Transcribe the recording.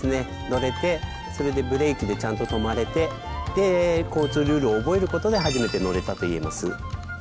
乗れてそれでブレーキでちゃんと止まれてで交通ルールを覚えることで初めて乗れたと言えます。